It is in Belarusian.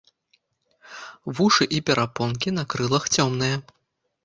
Вушы і перапонкі на крылах цёмныя.